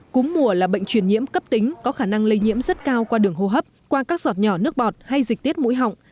cúm mùa là bệnh truyền nhiễm cấp tính có khả năng lây nhiễm rất cao qua đường hô hấp qua các giọt nhỏ nước bọt hay dịch tiết mũi họng